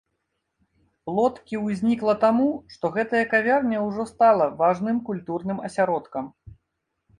Плоткі ўзнікла таму, што гэтая кавярня ўжо стала важным культурным асяродкам.